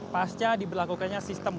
pasca diberlakukannya sistem